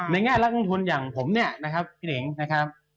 แง่รักลงทุนอย่างผมเนี่ยนะครับพี่หนิงนะครับ